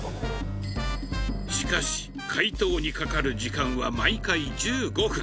しかし、解凍にかかる時間は毎回１５分。